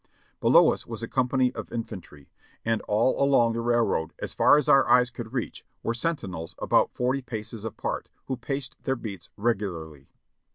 Below us was a company of infantry, and all along the railroad as far as our eyes could reach were sentinels about forty paces apart, who paced their beats regularly.